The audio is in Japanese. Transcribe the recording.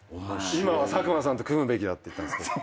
今は佐久間さんと組むべきだって言ったんです。